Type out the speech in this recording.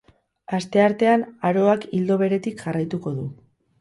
Asteartean aroak ildo beretik jarraituko du.